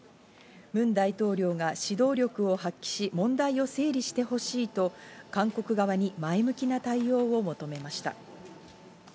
ムン大統領が指導力を発揮し問題を整理してほしいと、韓国側に前向きな対応を求めました。